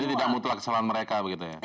jadi tidak mutlak kesalahan mereka begitu ya